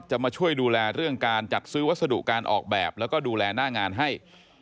มาช่วยดูแลเรื่องการจัดซื้อวัสดุการออกแบบแล้วก็ดูแลหน้างานให้